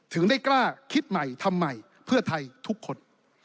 ถึงได้กล้าคิดใหม่ทำใหม่เพื่อไทยทุกคน